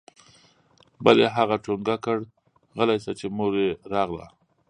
بل يې هغه ټونګه كړ غلى سه چې مور يې راغله.